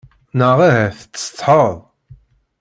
Neɣ ahat tsetḥaḍ.